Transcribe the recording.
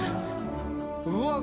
うわっ！